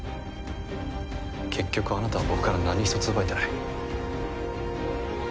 結局あなたは僕から何一つ奪えてない。